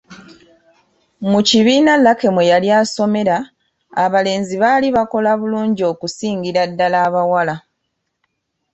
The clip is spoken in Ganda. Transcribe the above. Mu kibiina Lucky mwe yali asomera, abalenzi baali bakola bulungi okusingira ddala abawala.